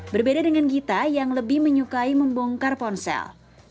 berbeda dengan gita yang lebih menyukai membongkar ponsel